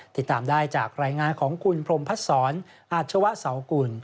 ติดตามได้จากรายงานของคุณพรมพัดศรอาชวะเสากุล